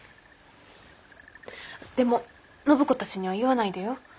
でも暢子たちには言わないでよ。